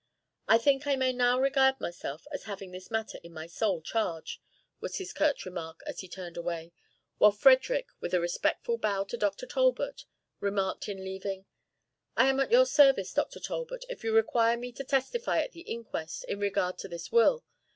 "I think I may now regard myself as having this matter in my sole charge," was his curt remark, as he turned away, while Frederick, with a respectful bow to Dr. Talbot, remarked in leaving: "I am at your service, Dr. Talbot, if you require me to testify at the inquest in regard to this will.